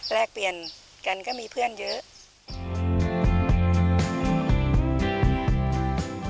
แรกเปลี่ยนกันก็มีเพื่อนเยอะ